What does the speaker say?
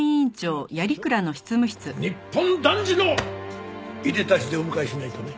日本男児のいでたちでお迎えしないとね。